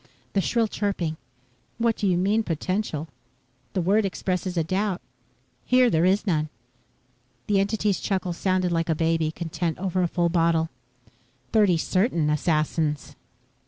The shrill chirping: "What do you mean, potential? The word expresses a doubt. Here there is none." The entity's chuckle sounded like a baby, content over a full bottle. "Thirty certain assassins."